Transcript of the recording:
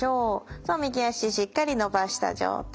そう右脚しっかり伸ばした状態。